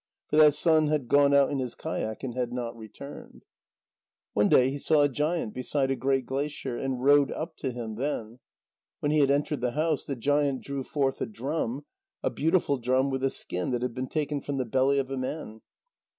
For that son had gone out in his kayak and had not returned. One day he saw a giant beside a great glacier, and rowed up to him then. When he had entered the house, the giant drew forth a drum, a beautiful drum with a skin that had been taken from the belly of a man.